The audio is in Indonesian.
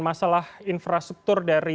masalah infrastruktur dari